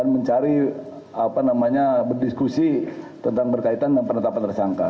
mencari apa namanya berdiskusi tentang berkaitan dengan penetapan tersangka